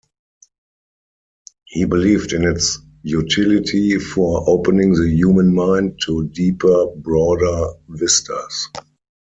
He believed in its utility for opening the human mind to deeper, broader vistas.